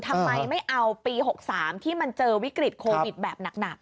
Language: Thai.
ทำไมไม่เอาปี๖๓ที่มันเจอวิกฤตโควิดแบบหนัก